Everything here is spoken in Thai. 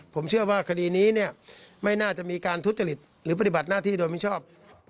ผมเชื่อว่าคดีนี้เนี่ยไม่น่าจะมีการทุจริตหรือปฏิบัติหน้าที่โดยมิชอบ